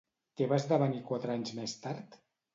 Què va esdevenir quatre anys més tard?